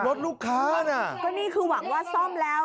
รถลูกค้าน่ะก็นี่คือหวังว่าซ่อมแล้ว